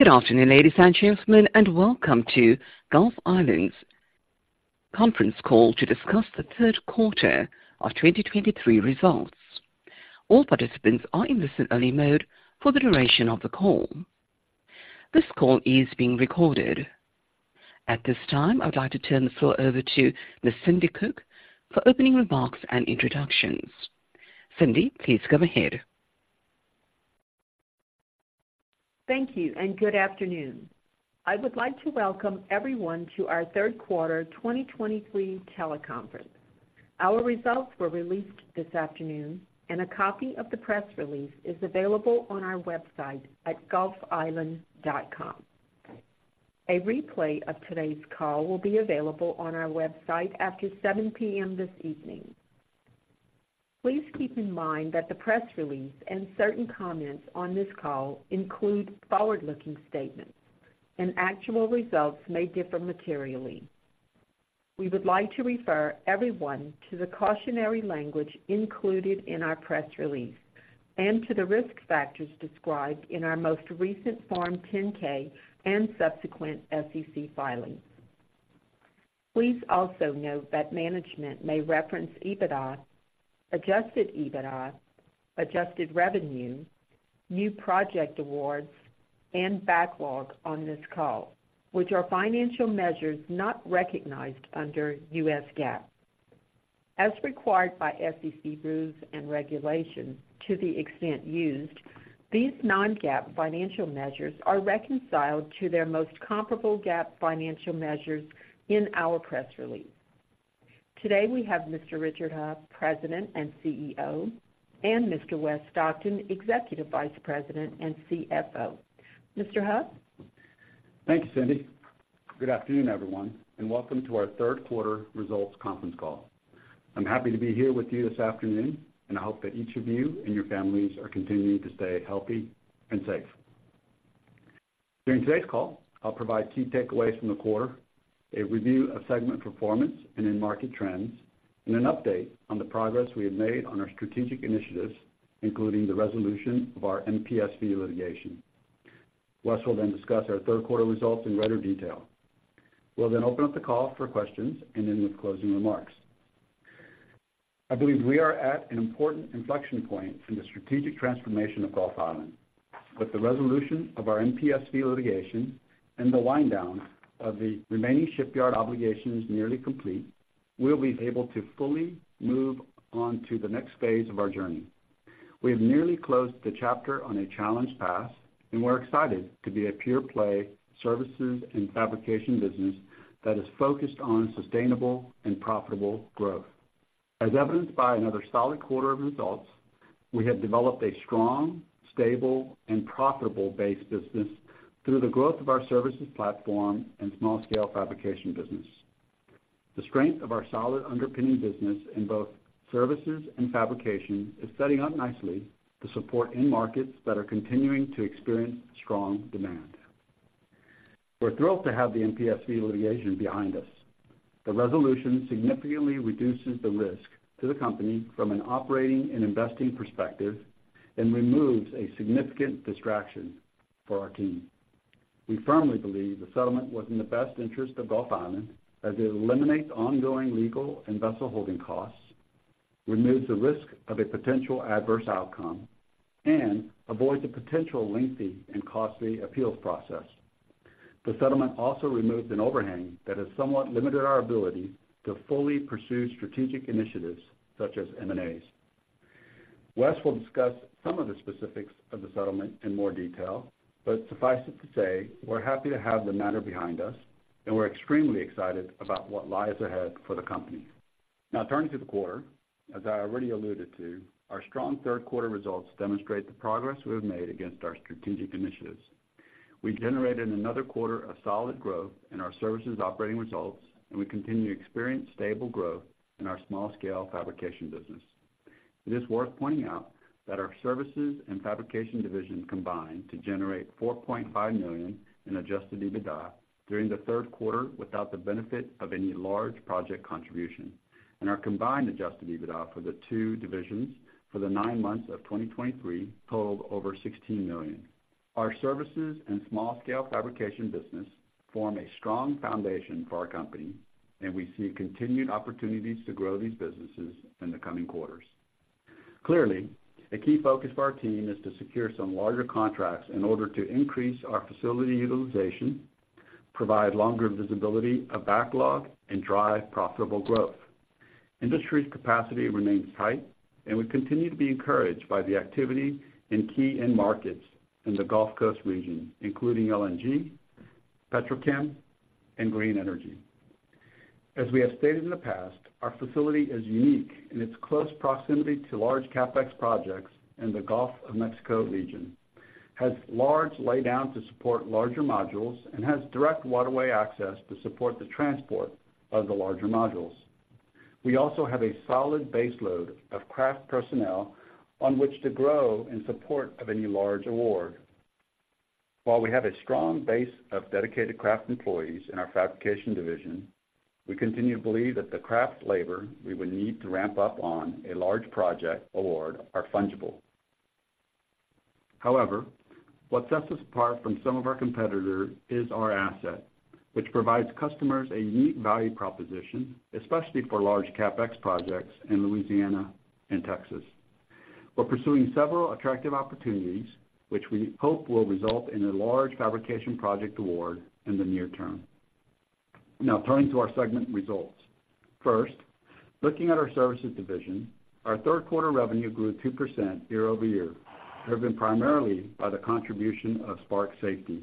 Good afternoon, ladies and gentlemen, and welcome to Gulf Island's Conference Call to discuss the third quarter of 2023 results. All participants are in listen-only mode for the duration of the call. This call is being recorded. At this time, I would like to turn the floor over to Ms. Cindi Cook for opening remarks and introductions. Cindi, please go ahead. Thank you, and good afternoon. I would like to welcome everyone to our third quarter 2023 teleconference. Our results were released this afternoon, and a copy of the press release is available on our website at gulfisland.com. A replay of today's call will be available on our website after 7 P.M. this evening. Please keep in mind that the press release and certain comments on this call include forward-looking statements, and actual results may differ materially. We would like to refer everyone to the cautionary language included in our press release and to the risk factors described in our most recent Form 10-K and subsequent SEC filings. Please also note that management may reference EBITDA, adjusted EBITDA, adjusted revenue, new project awards, and backlog on this call, which are financial measures not recognized under U.S. GAAP. As required by SEC rules and regulations, to the extent used, these non-GAAP financial measures are reconciled to their most comparable GAAP financial measures in our press release. Today, we have Mr. Richard Heo, President and CEO, and Mr. Wes Stockton, Executive Vice President and CFO. Mr. Heo? Thank you, Cindi. Good afternoon, everyone, and welcome to our third quarter results conference call. I'm happy to be here with you this afternoon, and I hope that each of you and your families are continuing to stay healthy and safe. During today's call, I'll provide key takeaways from the quarter, a review of segment performance and end market trends, and an update on the progress we have made on our strategic initiatives, including the resolution of our MPSV litigation. Wes will then discuss our third quarter results in greater detail. We'll then open up the call for questions and end with closing remarks. I believe we are at an important inflection point in the strategic transformation of Gulf Island. With the resolution of our MPSV litigation and the wind down of the remaining shipyard obligations nearly complete, we'll be able to fully move on to the next phase of our journey. We have nearly closed the chapter on a challenged past, and we're excited to be a pure play services and fabrication business that is focused on sustainable and profitable growth. As evidenced by another solid quarter of results, we have developed a strong, stable, and profitable base business through the growth of our services platform and small-scale fabrication business. The strength of our solid underpinning business in both services and fabrication is setting up nicely to support end markets that are continuing to experience strong demand. We're thrilled to have the MPSV litigation behind us. The resolution significantly reduces the risk to the company from an operating and investing perspective and removes a significant distraction for our team. We firmly believe the settlement was in the best interest of Gulf Island as it eliminates ongoing legal and vessel holding costs, removes the risk of a potential adverse outcome, and avoids a potential lengthy and costly appeals process. The settlement also removed an overhang that has somewhat limited our ability to fully pursue strategic initiatives such as M&As. Wes will discuss some of the specifics of the settlement in more detail, but suffice it to say, we're happy to have the matter behind us, and we're extremely excited about what lies ahead for the company. Now, turning to the quarter, as I already alluded to, our strong third quarter results demonstrate the progress we have made against our strategic initiatives. We generated another quarter of solid growth in our services operating results, and we continue to experience stable growth in our small-scale fabrication business. It is worth pointing out that our services and fabrication divisions combined to generate $4.5 million in Adjusted EBITDA during the third quarter without the benefit of any large project contribution, and our combined Adjusted EBITDA for the two divisions for the nine months of 2023 totaled over $16 million. Our services and small-scale fabrication business form a strong foundation for our company, and we see continued opportunities to grow these businesses in the coming quarters. Clearly, a key focus of our team is to secure some larger contracts in order to increase our facility utilization, provide longer visibility of backlog, and drive profitable growth. Industry capacity remains tight, and we continue to be encouraged by the activity in key end markets in the Gulf Coast region, including LNG, petrochem, and green energy. As we have stated in the past, our facility is unique in its close proximity to large CapEx projects in the Gulf of Mexico region, has large laydown to support larger modules and has direct waterway access to support the transport of the larger modules. We also have a solid baseload of craft personnel on which to grow in support of any large award. While we have a strong base of dedicated craft employees in our fabrication division. We continue to believe that the craft labor we would need to ramp up on a large project award are fungible. However, what sets us apart from some of our competitors is our asset, which provides customers a unique value proposition, especially for large CapEx projects in Louisiana and Texas. We're pursuing several attractive opportunities, which we hope will result in a large fabrication project award in the near term. Now turning to our segment results. First, looking at our services division, our third quarter revenue grew 2% year-over-year, driven primarily by the contribution of Spark Safety.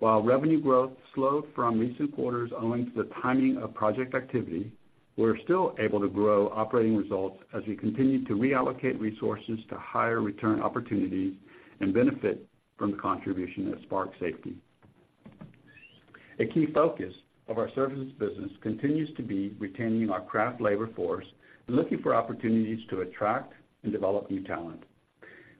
While revenue growth slowed from recent quarters owing to the timing of project activity, we're still able to grow operating results as we continue to reallocate resources to higher return opportunities and benefit from the contribution of Spark Safety. A key focus of our services business continues to be retaining our craft labor force and looking for opportunities to attract and develop new talent.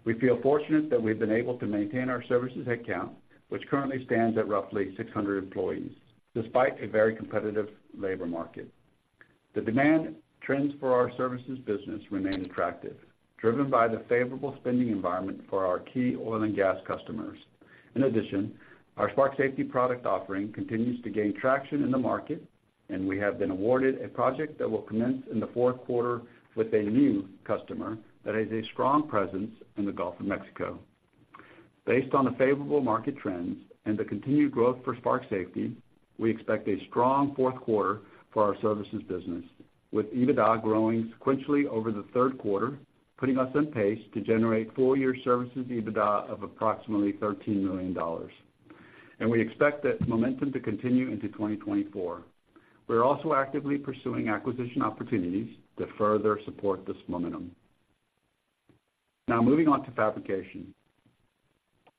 We feel fortunate that we've been able to maintain our services headcount, which currently stands at roughly 600 employees, despite a very competitive labor market. The demand trends for our services business remain attractive, driven by the favorable spending environment for our key oil and gas customers. In addition, our Spark Safety product offering continues to gain traction in the market, and we have been awarded a project that will commence in the fourth quarter with a new customer that has a strong presence in the Gulf of Mexico. Based on the favorable market trends and the continued growth for Spark Safety, we expect a strong fourth quarter for our services business, with EBITDA growing sequentially over the third quarter, putting us on pace to generate full-year services EBITDA of approximately $13 million. And we expect that momentum to continue into 2024. We are also actively pursuing acquisition opportunities to further support this momentum. Now moving on to fabrication.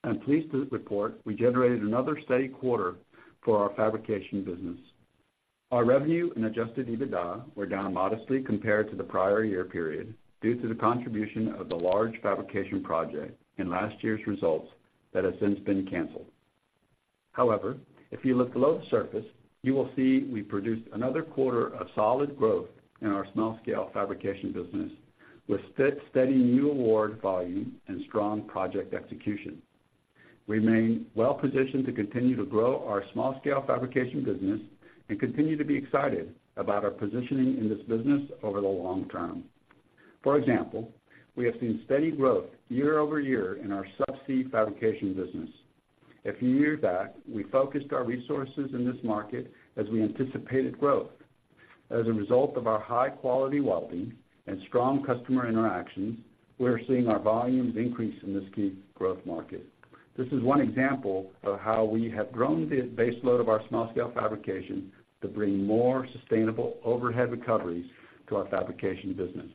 I'm pleased to report we generated another steady quarter for our fabrication business. Our revenue and Adjusted EBITDA were down modestly compared to the prior year period due to the contribution of the large fabrication project in last year's results that has since been canceled. However, if you look below the surface, you will see we produced another quarter of solid growth in our small-scale fabrication business, with steady, steady new award volume and strong project execution. We remain well positioned to continue to grow our small-scale fabrication business and continue to be excited about our positioning in this business over the long term. For example, we have seen steady growth year over year in our subsea fabrication business. A few years back, we focused our resources in this market as we anticipated growth. As a result of our high-quality welding and strong customer interactions, we are seeing our volumes increase in this key growth market. This is one example of how we have grown the base load of our small-scale fabrication to bring more sustainable overhead recoveries to our fabrication business.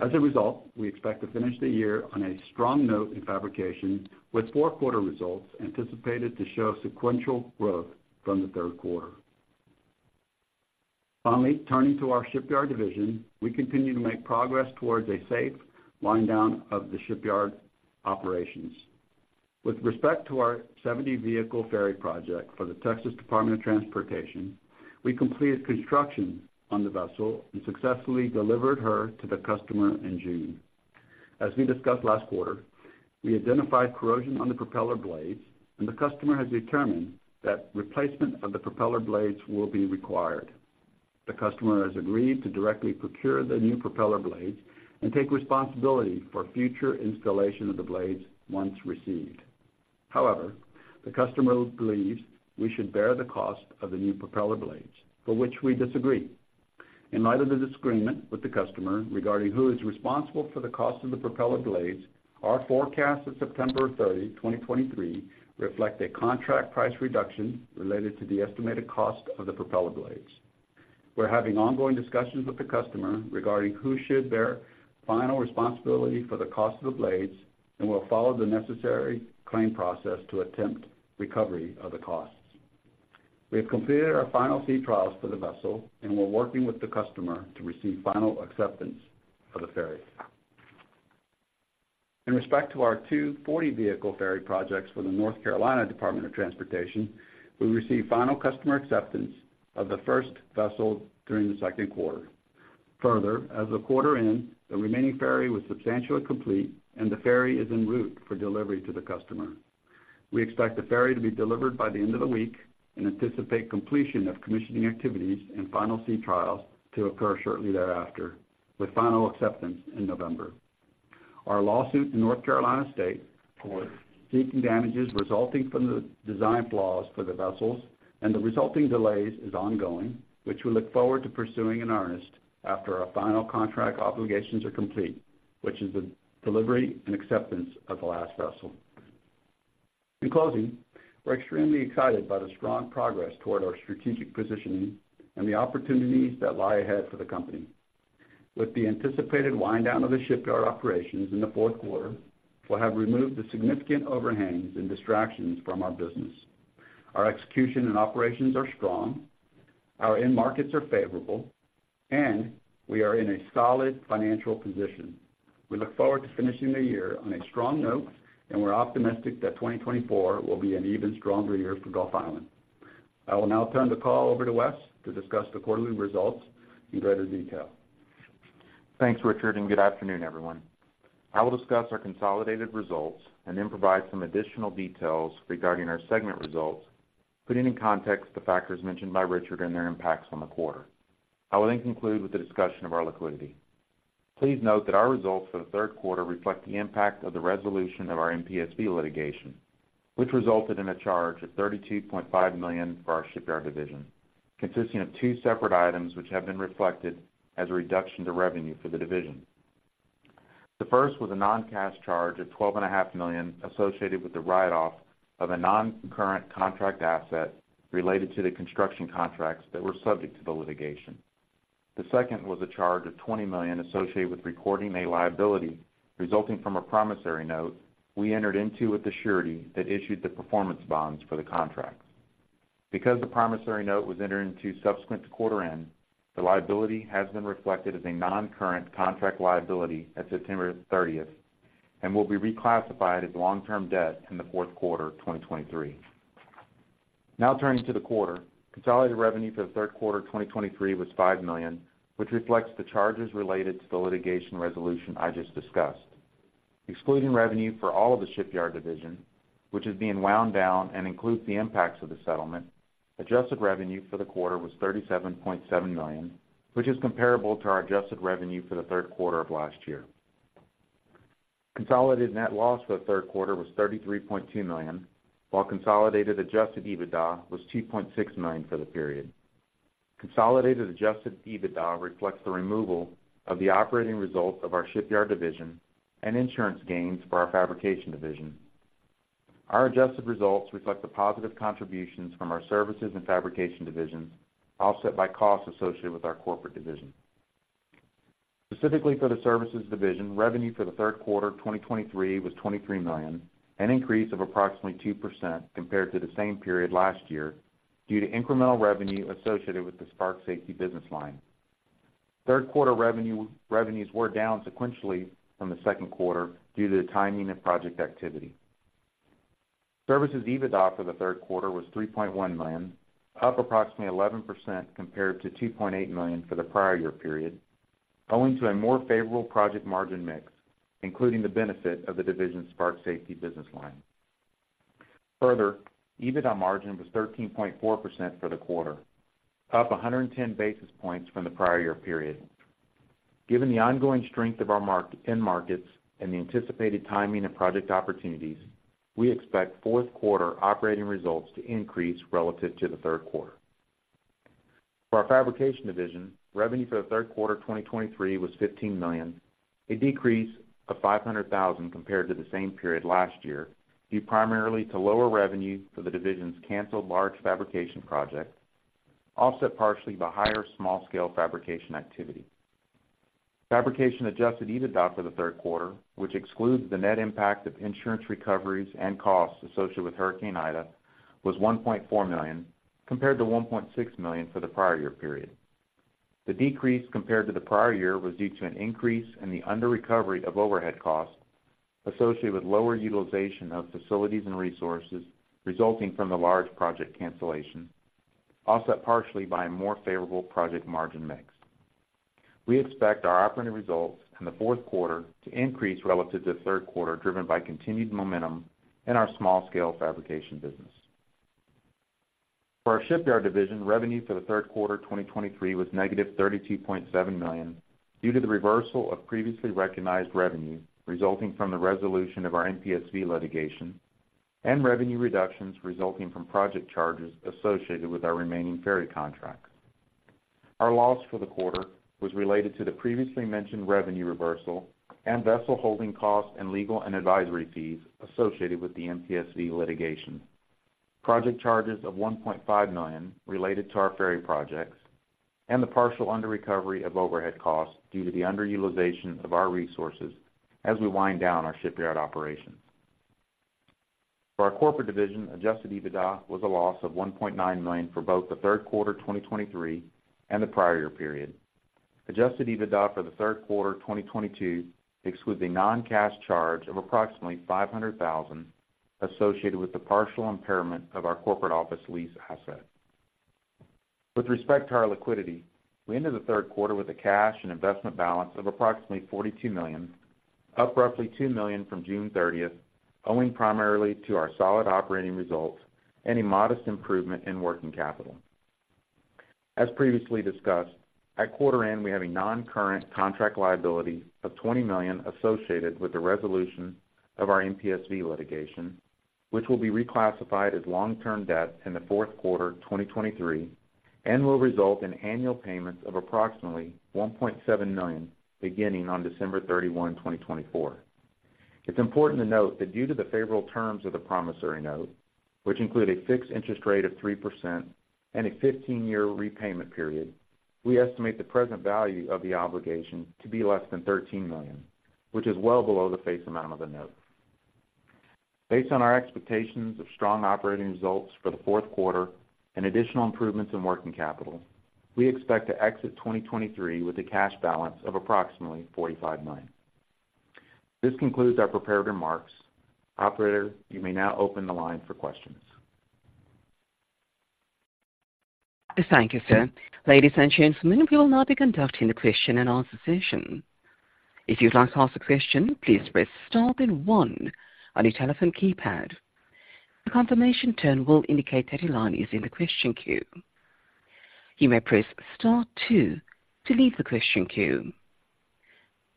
As a result, we expect to finish the year on a strong note in fabrication, with fourth quarter results anticipated to show sequential growth from the third quarter. Finally, turning to our shipyard division, we continue to make progress towards a safe wind down of the shipyard operations. With respect to our 70-vehicle ferry project for the Texas Department of Transportation, we completed construction on the vessel and successfully delivered her to the customer in June. As we discussed last quarter, we identified corrosion on the propeller blades, and the customer has determined that replacement of the propeller blades will be required. The customer has agreed to directly procure the new propeller blades and take responsibility for future installation of the blades once received. However, the customer believes we should bear the cost of the new propeller blades, for which we disagree. In light of the disagreement with the customer regarding who is responsible for the cost of the propeller blades, our forecast of September 30, 2023, reflect a contract price reduction related to the estimated cost of the propeller blades. We're having ongoing discussions with the customer regarding who should bear final responsibility for the cost of the blades, and we'll follow the necessary claim process to attempt recovery of the costs. We have completed our final sea trials for the vessel, and we're working with the customer to receive final acceptance of the ferry. In respect to our two 40-vehicle ferry projects for the North Carolina Department of Transportation, we received final customer acceptance of the first vessel during the second quarter. Further, as the quarter end, the remaining ferry was substantially complete, and the ferry is en route for delivery to the customer. We expect the ferry to be delivered by the end of the week and anticipate completion of commissioning activities and final sea trials to occur shortly thereafter, with final acceptance in November. Our lawsuit in North Carolina state for seeking damages resulting from the design flaws for the vessels and the resulting delays is ongoing, which we look forward to pursuing in earnest after our final contract obligations are complete, which is the delivery and acceptance of the last vessel. In closing, we're extremely excited by the strong progress toward our strategic positioning and the opportunities that lie ahead for the company. With the anticipated wind down of the shipyard operations in the fourth quarter, we'll have removed the significant overhangs and distractions from our business. Our execution and operations are strong, our end markets are favorable, and we are in a solid financial position. We look forward to finishing the year on a strong note, and we're optimistic that 2024 will be an even stronger year for Gulf Island. I will now turn the call over to Wes to discuss the quarterly results in greater detail. Thanks, Richard, and good afternoon, everyone. I will discuss our consolidated results and then provide some additional details regarding our segment results, putting in context the factors mentioned by Richard and their impacts on the quarter. I will then conclude with a discussion of our liquidity. Please note that our results for the third quarter reflect the impact of the resolution of our MPSV litigation, which resulted in a charge of $32.5 million for our shipyard division, consisting of two separate items, which have been reflected as a reduction to revenue for the division. The first was a non-cash charge of $12.5 million associated with the write-off of a noncurrent contract asset related to the construction contracts that were subject to the litigation. The second was a charge of $20 million associated with recording a liability resulting from a promissory note we entered into with the surety that issued the performance bonds for the contract. Because the promissory note was entered into subsequent to quarter end, the liability has been reflected as a noncurrent contract liability at September 30 and will be reclassified as long-term debt in the fourth quarter of 2023. Now turning to the quarter. Consolidated revenue for the third quarter of 2023 was $5 million, which reflects the charges related to the litigation resolution I just discussed. Excluding revenue for all of the shipyard division, which is being wound down and includes the impacts of the settlement, adjusted revenue for the quarter was $37.7 million, which is comparable to our adjusted revenue for the third quarter of last year. Consolidated net loss for the third quarter was $33.2 million, while consolidated adjusted EBITDA was $2.6 million for the period. Consolidated adjusted EBITDA reflects the removal of the operating results of our shipyard division and insurance gains for our fabrication division. Our adjusted results reflect the positive contributions from our services and fabrication divisions, offset by costs associated with our corporate division. Specifically for the services division, revenue for the third quarter of 2023 was $23 million, an increase of approximately 2% compared to the same period last year due to incremental revenue associated with the Spark Safety business line. Third quarter revenues were down sequentially from the second quarter due to the timing of project activity. Services EBITDA for the third quarter was $3.1 million, up approximately 11% compared to $2.8 million for the prior year period, owing to a more favorable project margin mix, including the benefit of the division's Spark Safety business line. Further, EBITDA margin was 13.4% for the quarter, up 110 basis points from the prior year period. Given the ongoing strength of our end markets and the anticipated timing of project opportunities, we expect fourth quarter operating results to increase relative to the third quarter. For our fabrication division, revenue for the third quarter of 2023 was $15 million, a decrease of $500,000 compared to the same period last year, due primarily to lower revenue for the division's canceled large fabrication project, offset partially by higher small-scale fabrication activity. Fabrication adjusted EBITDA for the third quarter, which excludes the net impact of insurance recoveries and costs associated with Hurricane Ida, was $1.4 million, compared to $1.6 million for the prior year period. The decrease compared to the prior year was due to an increase in the underrecovery of overhead costs associated with lower utilization of facilities and resources resulting from the large project cancellation, offset partially by a more favorable project margin mix. We expect our operating results in the fourth quarter to increase relative to the third quarter, driven by continued momentum in our small-scale fabrication business. For our shipyard division, revenue for the third quarter of 2023 was -$32.7 million due to the reversal of previously recognized revenue resulting from the resolution of our MPSV litigation and revenue reductions resulting from project charges associated with our remaining ferry contract. Our loss for the quarter was related to the previously mentioned revenue reversal and vessel holding costs and legal and advisory fees associated with the MPSV litigation, project charges of $1.5 million related to our ferry projects, and the partial underrecovery of overhead costs due to the underutilization of our resources as we wind down our shipyard operations. For our corporate division, Adjusted EBITDA was a loss of $1.9 million for both the third quarter of 2023 and the prior year period. Adjusted EBITDA for the third quarter of 2022 excludes a non-cash charge of approximately $500,000 associated with the partial impairment of our corporate office lease asset. With respect to our liquidity, we ended the third quarter with a cash and investment balance of approximately $42 million, up roughly $2 million from June 30, owing primarily to our solid operating results and a modest improvement in working capital. As previously discussed, at quarter end, we have a noncurrent contract liability of $20 million associated with the resolution of our MPSV litigation, which will be reclassified as long-term debt in the fourth quarter of 2023 and will result in annual payments of approximately $1.7 million, beginning on December 31, 2024. It's important to note that due to the favorable terms of the promissory note, which include a fixed interest rate of 3% and a 15-year repayment period, we estimate the present value of the obligation to be less than $13 million, which is well below the face amount of the note. Based on our expectations of strong operating results for the fourth quarter and additional improvements in working capital, we expect to exit 2023 with a cash balance of approximately $45 million. This concludes our prepared remarks. Operator, you may now open the line for questions. Thank you, sir. Ladies and gentlemen, we will now be conducting the question-and-answer session. If you'd like to ask a question, please press star then one on your telephone keypad. A confirmation tone will indicate that your line is in the question queue. You may press star two to leave the question queue.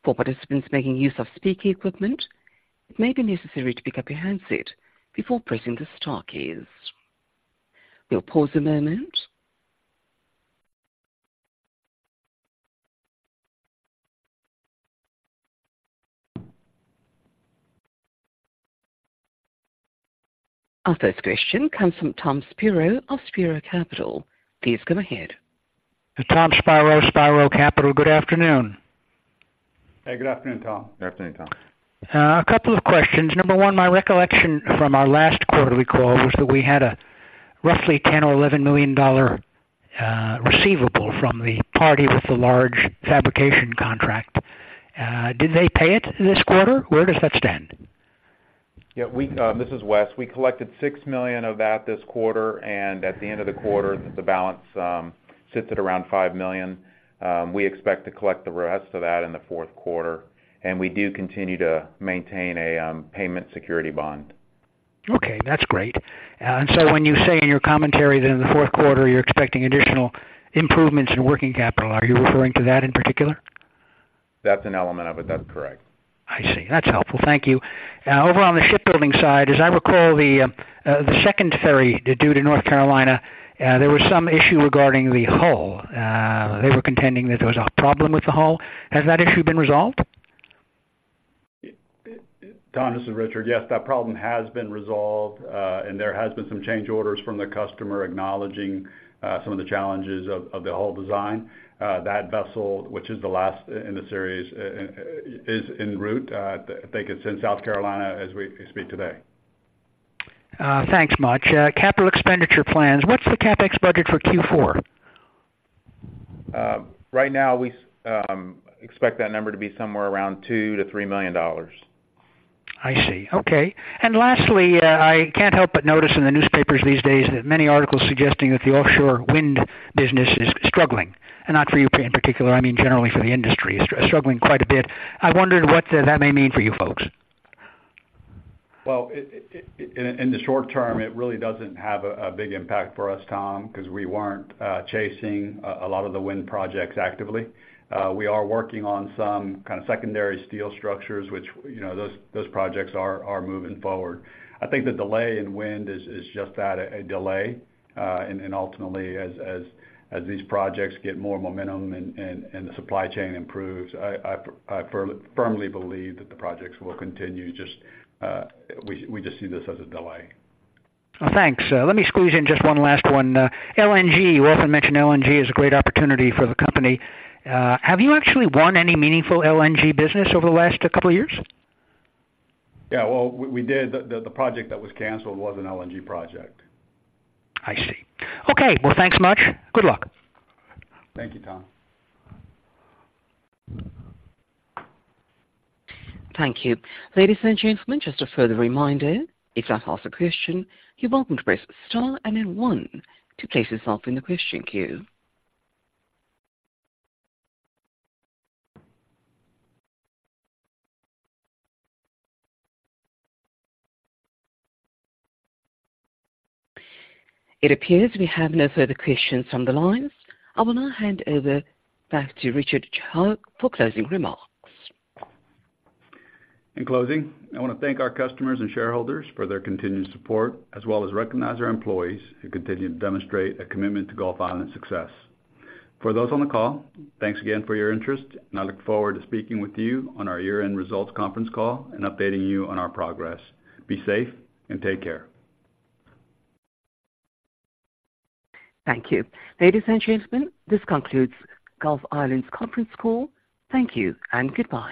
For participants making use of speaker equipment, it may be necessary to pick up your handset before pressing the star keys. We'll pause a moment. Our first question comes from Thomas Spiro of Spiro Capital. Please go ahead. Tom Spiro, Spiro Capital. Good afternoon. Hey, good afternoon, Tom. Good afternoon, Tom. A couple of questions. Number one, my recollection from our last quarterly call was that we had a roughly $10-$11 million receivable from the party with the large fabrication contract. Did they pay it this quarter? Where does that stand? Yeah, we—this is Wes. We collected $6 million of that this quarter, and at the end of the quarter, the balance sits at around $5 million. We expect to collect the rest of that in the fourth quarter, and we do continue to maintain a payment security bond. Okay, that's great. And so when you say in your commentary that in the fourth quarter you're expecting additional improvements in working capital, are you referring to that in particular? That's an element of it, that's correct. I see. That's helpful. Thank you. Over on the shipbuilding side, as I recall, the second ferry due to North Carolina, there was some issue regarding the hull. They were contending that there was a problem with the hull. Has that issue been resolved? Tom, this is Richard. Yes, that problem has been resolved, and there has been some change orders from the customer acknowledging some of the challenges of the hull design. That vessel, which is the last in the series, is en route. I think it's in South Carolina as we speak today. Thanks much. Capital expenditure plans. What's the CapEx budget for Q4? Right now, we expect that number to be somewhere around $2 million-$3 million. I see. Okay. And lastly, I can't help but notice in the newspapers these days that many articles suggesting that the offshore wind business is struggling and not for you in particular, I mean, generally for the industry, struggling quite a bit. I wondered what that may mean for you folks. Well, in the short term, it really doesn't have a big impact for us, Tom, 'cause we weren't chasing a lot of the wind projects actively. We are working on some kind of secondary steel structures which, you know, those projects are moving forward. I think the delay in wind is just that, a delay, and ultimately, as these projects get more momentum and the supply chain improves, I firmly believe that the projects will continue, just we just see this as a delay. Well, thanks. Let me squeeze in just one last one. LNG, you often mention LNG as a great opportunity for the company. Have you actually won any meaningful LNG business over the last couple of years? Yeah, well, we did. The project that was canceled was an LNG project. I see. Okay, well, thanks much. Good luck. Thank you, Tom. Thank you. Ladies and gentlemen, just a further reminder, if you'd like to ask a question, you're welcome to press star and then one to place yourself in the question queue. It appears we have no further questions on the lines. I will now hand over back to Richard Heo for closing remarks. In closing, I want to thank our customers and shareholders for their continued support, as well as recognize our employees who continue to demonstrate a commitment to Gulf Island's success. For those on the call, thanks again for your interest, and I look forward to speaking with you on our year-end results conference call and updating you on our progress. Be safe and take care. Thank you. Ladies and gentlemen, this concludes Gulf Island's conference call. Thank you and goodbye.